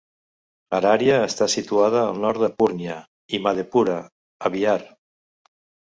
Araria està situada al nord de Purnia i Madhepura, a Bihar.